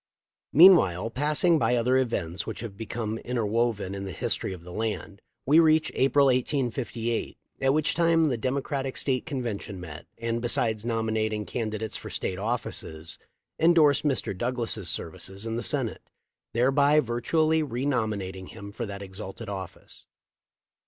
Meanwhile, passing by other events which have become interwoven in the history of the land, we reach April, 1858, at which time the Democratic State convention met and, besides nominating can didates for State offices, endorsed Mr. Douglas' services in the Senate, thereby virtually renominat ing him for that exalted office.